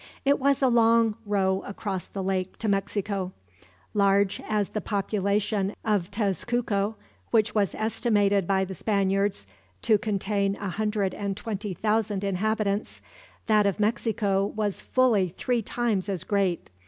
It was a long row across the lake to Mexico. Large as was the population of Tezcuco, which was estimated by the Spaniards to contain a hundred and twenty thousand inhabitants, that of Mexico was fully three times as great.